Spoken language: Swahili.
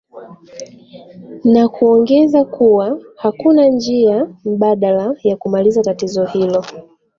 na kuongeza kuwa hakuna njia mbadala ya kumaliza tatizo hilo